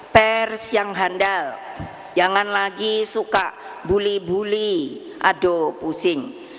pers yang handal jangan lagi suka bully bully aduh pusing